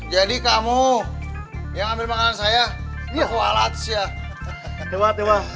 jadi kamu yang ambil makanan saya ya